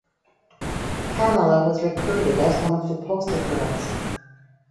Pamela was recruited as one of the poster girls.